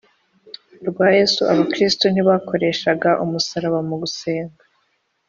rwa Yesu Abakristo ntibakoreshaga umusaraba mu gusenga